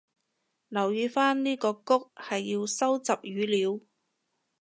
留意返呢個谷係要收集語料